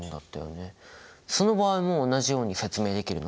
その場合も同じように説明できるの？